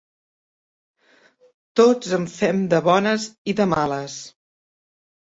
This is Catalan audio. Tots en fem de bones i de males.